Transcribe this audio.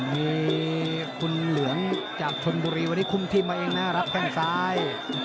มีคุณเหลืองจากชนบุรีวันนี้คุมทีมมาเองนะรับแข้งซ้าย